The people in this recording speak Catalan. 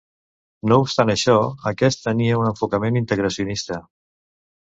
No obstant això aquest tenia un enfocament integracionista.